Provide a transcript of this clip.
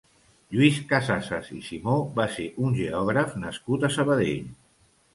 Lluís Casassas i Simó va ser un geògraf nascut a Sabadell.